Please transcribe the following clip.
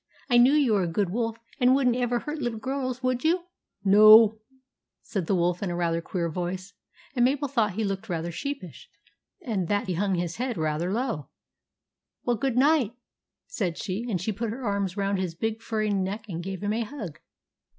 I knew you were a good wolf and would n't ever hurt little girls, would you ?"" No," said the wolf in a rather queer voice, and Mabel thought he looked rather sheepish, and that he hung his head rather low. " Well, good night," said she, and she put her arms round his big furry neck and gave him a hug.